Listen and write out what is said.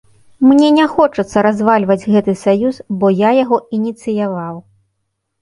Мне не хочацца развальваць гэты саюз, бо я яго ініцыяваў.